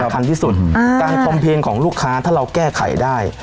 สำคัญที่สุดอ่าการขอมเพลงของลูกค้าถ้าเราแก้ไขได้